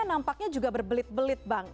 nampaknya juga berbelit belit bang